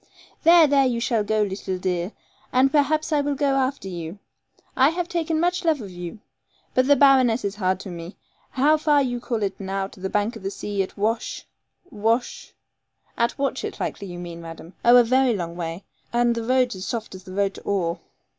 'There, there, you shall go, leetle dear, and perhaps I will go after you. I have taken much love of you. But the baroness is hard to me. How far you call it now to the bank of the sea at Wash Wash ' 'At Watchett, likely you mean, madam. Oh, a very long way, and the roads as soft as the road to Oare.'